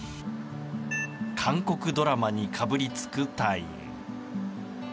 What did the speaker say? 韓国ドラマにかぶりつく隊員。